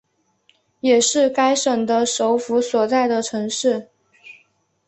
也是该省的首府所在城市。